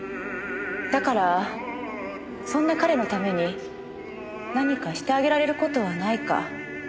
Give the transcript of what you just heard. だからそんな彼のために何かしてあげられる事はないか。